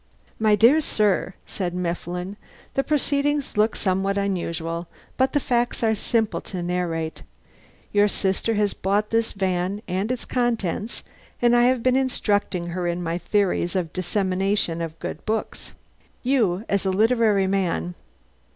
"My dear sir," said Mifflin, "the proceedings look somewhat unusual, but the facts are simple to narrate. Your sister has bought this van and its contents, and I have been instructing her in my theories of the dissemination of good books. You as a literary man..."